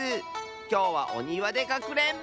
きょうはおにわでかくれんぼ！